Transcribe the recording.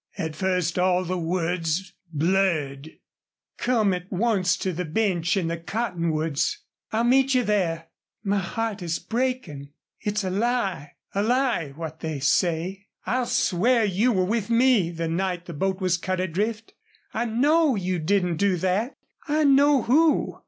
At first all the words blurred: "Come at once to the bench in the cottonwoods. I'll meet you there. My heart is breaking. It's a lie a lie what they say. I'll swear you were with me the night the boat was cut adrift. I KNOW you didn't do that. I know who....